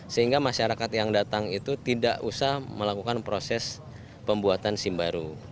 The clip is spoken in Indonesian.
sehingga masyarakat yang datang itu tidak usah melakukan proses pembuatan sim baru